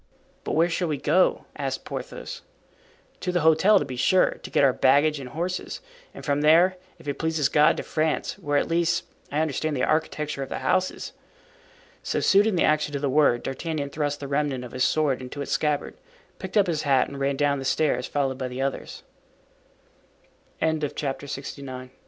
"But where shall we go?" asked Porthos. "To the hotel, to be sure, to get our baggage and horses; and from there, if it please God, to France, where, at least, I understand the architecture of the houses." So, suiting the action to the word, D'Artagnan thrust the remnant of his sword into its scabbard, picked up his hat and ran down the stairs, followed by the others. Chapter LXX. The Skiff "L